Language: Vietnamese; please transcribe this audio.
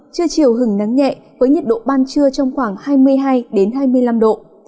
trưa chiều hứng nắng nhẹ với nhiệt độ ban trưa trong khoảng hai mươi hai hai mươi năm độ